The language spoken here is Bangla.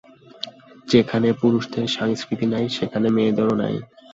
যেখানে পুরুষদের সংস্কৃতি নাই, সেখানে মেয়েদেরও নাই।